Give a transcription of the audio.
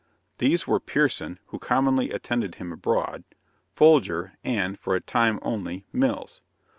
These were Pierson, who commonly attended him abroad, Folger, and for a time only Mills.